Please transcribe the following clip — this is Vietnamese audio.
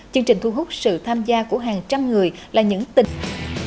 chương trình thu hút sự tham gia của hàng trăm người là những tình